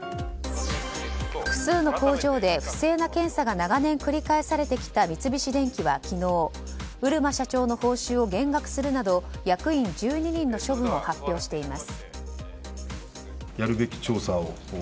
複数の工場で不正な検査が長年、繰り返されてきた三菱電機は昨日漆間社長の報酬を減額するなど役員１２人の処分を発表しています。